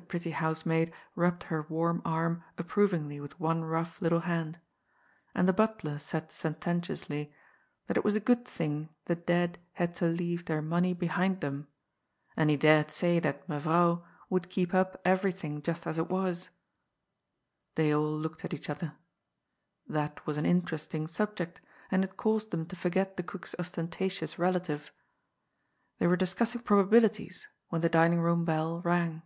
The pretty housemaid rubbed her warm arm approvingly with one rough little hand. And the butler said senten tiously.that it was a good thing the dead had to leave their THE HEAD OF THE FIRM. 109 money behind them, and he dared say that Meyronw would keep np everything just as it was. They all looked at each other. That was an interesting subject, and it caused them to forget the cook's ostentatious relative. They were discussing probabilities when the dining room bell rang.